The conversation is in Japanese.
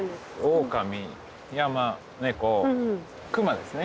オオカミ山猫熊ですね。